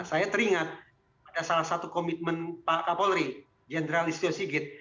saya teringat ada salah satu komitmen pak kapolri generalist tio sigit